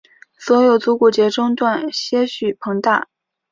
所有足股节中段些许膨大。